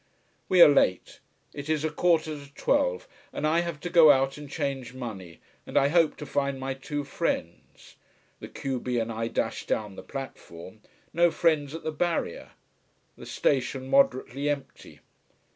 We are late. It is a quarter to twelve. And I have to go out and change money, and I hope to find my two friends. The q b and I dash down the platform no friends at the barrier. The station moderately empty.